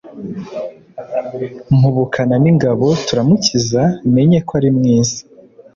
mpubukana n ingabo turamukiza menye ko ari mwiza